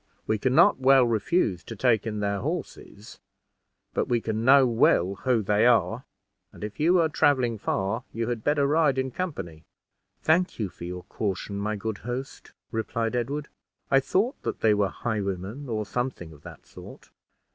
We can not well refuse to take in their horses; but we know well who they are, and, if you are traveling far, you had better ride in company." "Thank you for your caution, my good host," replied Edward; "I thought that they were highwaymen, or something of that sort."